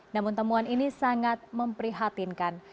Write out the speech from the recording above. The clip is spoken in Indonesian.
namun temuan ini sangat memprihatinkan